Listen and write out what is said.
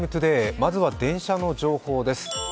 まずは電車の情報です。